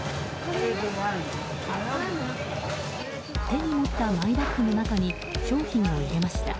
手に持ったマイバッグの中に商品を入れました。